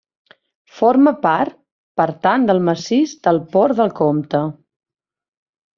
Forma part, per tant del massís del Port del Comte.